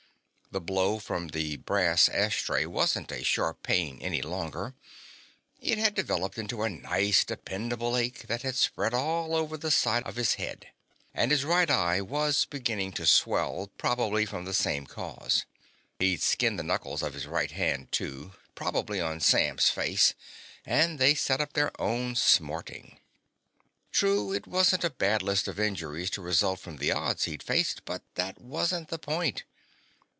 The blow from the brass ashtray wasn't a sharp pain any longer. It had developed into a nice, dependable ache that had spread all over the side of his head. And his right eye was beginning to swell, probably from the same cause. He'd skinned the knuckles of his right hand, too, probably on Sam's face, and they set up their own smarting. True, it wasn't a bad list of injuries to result from the odds he'd faced. But that wasn't the point.